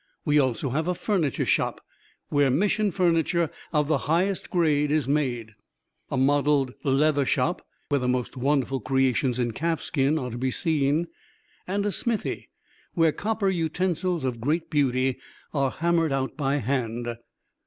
We also have a furniture shop, where Mission furniture of the highest grade is made; a modeled leather shop, where the most wonderful creations in calfskin are to be seen; and a smithy, where copper utensils of great beauty are hammered out by hand.